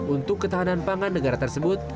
untuk ketahanan pangan negara tersebut